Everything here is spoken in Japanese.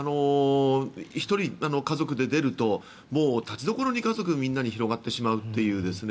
１人家族で出るとたちどころに家族みんなに広がってしまうという。